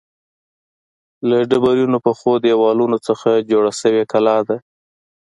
له ډبرینو پخو دیوالونو څخه جوړه شوې کلا ده.